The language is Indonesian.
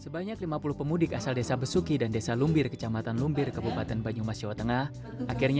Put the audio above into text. belum berpuasan belum makan